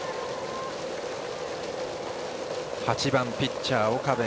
８番ピッチャー岡部。